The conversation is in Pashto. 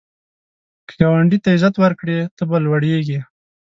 که ګاونډي ته عزت ورکړې، ته به لوړیږې